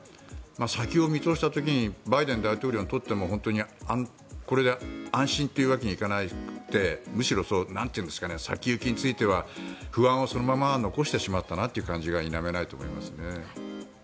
先を見通した時にバイデン大統領にとっても本当に安心というわけにはいかなくてむしろ先行きについては不安をそのまま残してしまったなという感じが否めないと思います。